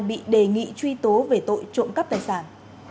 bị đề nghị truy tố về tội trộm cắp tài sản